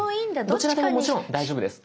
どちらでももちろん大丈夫です。